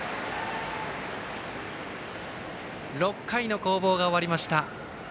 ６回の攻防が終わりました。